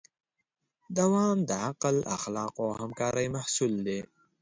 دوام د عقل، اخلاقو او همکارۍ محصول دی.